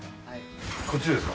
こっちですか？